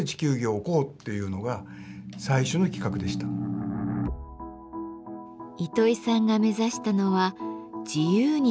糸井さんが目指したのは自由に遊べる地球儀。